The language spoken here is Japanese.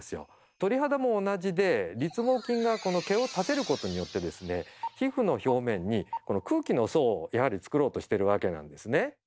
鳥肌も同じで立毛筋がこの毛を立てることによって皮膚の表面にこの空気の層をやはり作ろうとしてるわけなんですね。